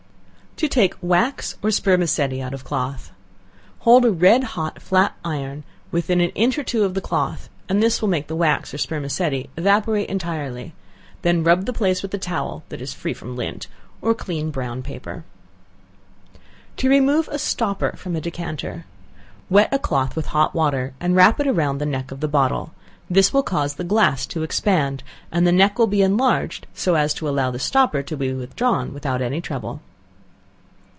To Take Wax or Spermaceti out of Cloth. Hold a red hot flat iron within an inch or two of the cloth, and this will make the wax or spermaceti evaporate entirely; then rub the place with a towel (that is free from lint) or clean brown paper. To Remove a Stopper from a Decanter. Wet a cloth with hot water and wrap it round the neck of the bottle; this will cause the glass to expand, and the neck will be enlarged so as to allow of the stopper to be withdrawn, without any trouble.